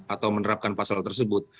atau menerapkan pasal tersebut